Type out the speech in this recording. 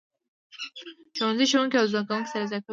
ښوونځی ښوونکي او زده کوونکي سره یو ځای کوي.